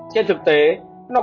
trên thực tế nó cũng có thể